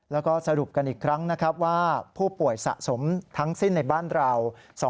แล้วก็สรุปกันอีกครั้งนะครับว่าผู้ป่วยสะสมทั้งสิ้นในบ้านเรา